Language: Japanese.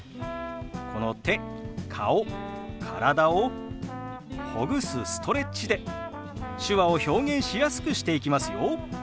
この手顔体をほぐすストレッチで手話を表現しやすくしていきますよ。